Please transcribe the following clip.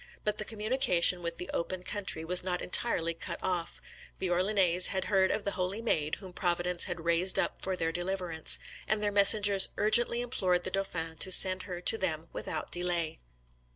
But the communication with the open country was not entirely cut off: the Orleannais had heard of the Holy Maid whom Providence had raised up for their deliverance, and their messengers urgently implored the dauphin to send her to them without delay.